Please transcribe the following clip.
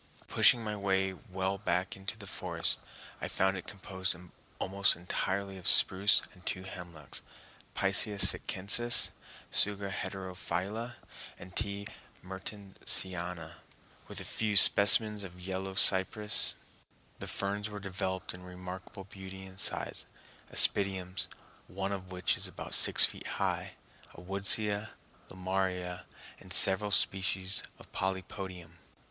Pushing my way well back into the forest, I found it composed almost entirely of spruce and two hemlocks (Picea sitchensis, Tsuga heterophylla and T. mertensiana) with a few specimens of yellow cypress. The ferns were developed in remarkable beauty and size—aspidiums, one of which is about six feet high, a woodsia, lomaria, and several species of polypodium.